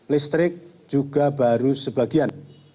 listrik juga baru sebagian